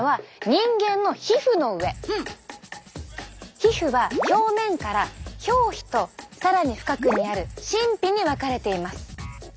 皮膚は表面から表皮と更に深くにある真皮に分かれています。